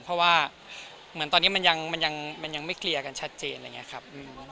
เพราะว่าเหมือนตอนนี้มันยังไม่เคลียร์กันชัดเจนอะไรอย่างนี้ครับ